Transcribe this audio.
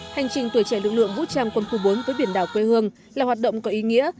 hành trình tuổi trẻ lực lượng vũ trang quân khu bốn với biển đảo quê hương là hoạt động có ý nghĩa